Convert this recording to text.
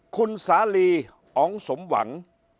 คุณสาลีอ๋องสมหวัง